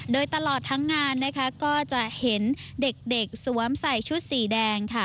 โดยตลอดทั้งงานนะคะก็จะเห็นเด็กสวมใส่ชุดสีแดงค่ะ